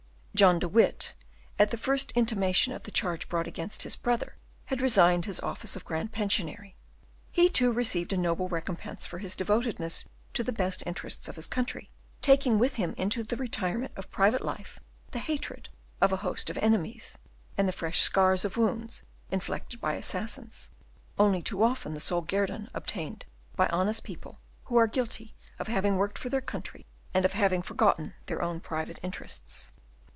John de Witt, at the first intimation of the charge brought against his brother, had resigned his office of Grand Pensionary. He too received a noble recompense for his devotedness to the best interests of his country, taking with him into the retirement of private life the hatred of a host of enemies, and the fresh scars of wounds inflicted by assassins, only too often the sole guerdon obtained by honest people, who are guilty of having worked for their country, and of having forgotten their own private interests.